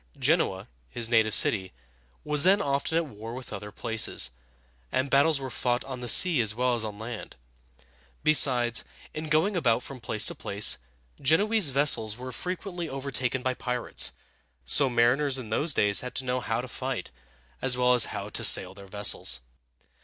Genoa, his native city, was then often at war with other places, and battles were fought on the sea as well as on land. Besides, in going about from place to place, Genoese vessels were frequently overtaken by pirates; so mariners in those days had to know how to fight, as well as how to sail their vessels.